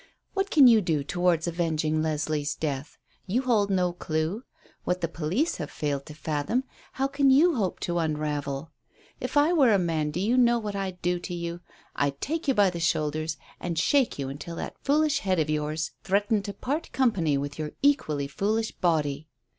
What can you do towards avenging Leslie's death? You hold no clue. What the police have failed to fathom, how can you hope to unravel? If I were a man, do you know what I'd do to you? I'd take you by the shoulders and shake you until that foolish head of yours threatened to part company with your equally foolish body.